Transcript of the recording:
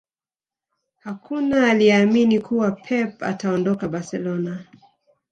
Hakuna aliyeamini kuwa Pep ataondoka Barcelona